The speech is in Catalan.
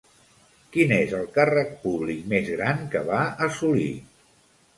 Quin és el càrrec públic més gran que va assolir?